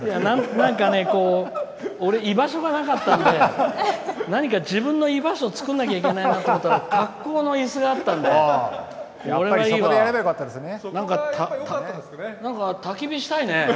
俺、居場所がなかったんで何か自分の居場所作んなきゃいけないなって思ったら格好のいすがあったんでこれはいいや。